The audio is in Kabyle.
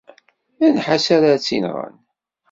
D nnḥas ara tt-inɣen.